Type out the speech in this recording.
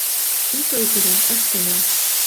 Ит ойгыро, ыштена.